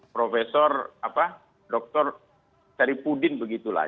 prof dr sari pudin begitulah